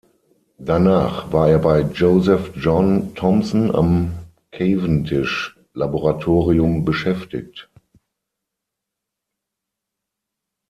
Danach war er bei Joseph John Thomson am Cavendish-Laboratorium beschäftigt.